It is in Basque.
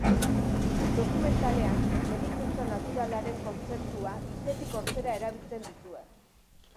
Dokumentalean, medikuntza naturalaren kontzeptua hitzetik hortzera erabiltzen duzue.